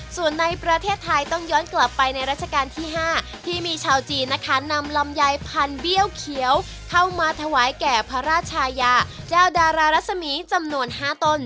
ส่วนในประเทศไทยต้องย้อนกลับไปในราชการที่๕ที่มีชาวจีนนะคะนำลำไยพันเบี้ยวเขียวเข้ามาถวายแก่พระราชชายาเจ้าดารารัศมีจำนวน๕ต้น